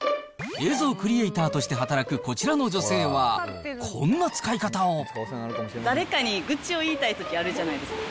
映像クリエイターとして働くこちらの女性は、こんな使い方を誰かに愚痴を言いたいとき、あるじゃないですか。